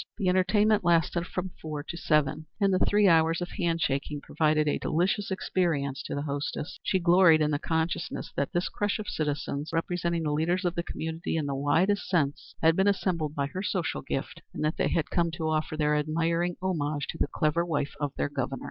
The entertainment lasted from four to seven, and the three hours of hand shaking provided a delicious experience to the hostess. She gloried in the consciousness that this crush of citizens, representing the leaders of the community in the widest sense, had been assembled by her social gift, and that they had come to offer their admiring homage to the clever wife of their Governor.